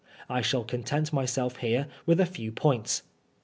I shall con tent myself hers with a few points.